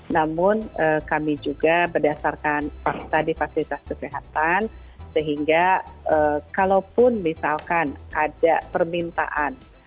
namun kami juga berdasarkan fakta di fasilitas kesehatan sehingga kalaupun misalkan ada permintaan